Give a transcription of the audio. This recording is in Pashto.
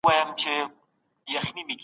تر مسلې پېژندلو وروسته فرضيه طرحه کیږي.